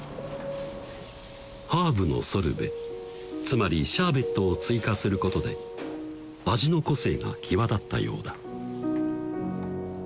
つまりシャーベットを追加することで味の個性が際立ったようだ